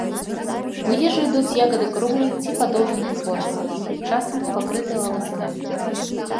У ежу ідуць ягады круглай ці падоўжанай формы, часам пакрытыя валаскамі.